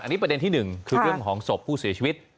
อันนี้ประเด็นที่๑คือเรื่องของศพผู้เสียชีวิต